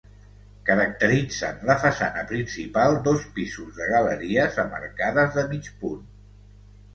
Caracteritzen la façana principal dos pisos de galeries amb arcades de mig punt.